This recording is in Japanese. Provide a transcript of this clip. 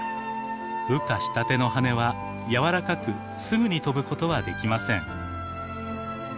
羽化したての羽は柔らかくすぐに飛ぶことはできません。